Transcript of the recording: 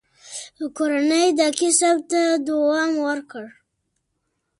کورنۍ دې کسب ته دوام ورکړ.